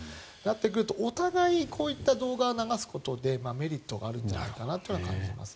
そうなってくるとお互いにこういった動画を流すことでメリットはあるんじゃないかなと感じますね。